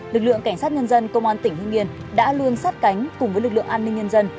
lực lượng cảnh sát nhân dân công an tỉnh hưng yên đã luôn sát cánh cùng với lực lượng an ninh nhân dân